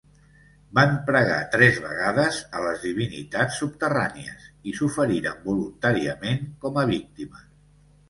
Van pregar tres vegades a les divinitats subterrànies i s'oferiren voluntàriament com a víctimes.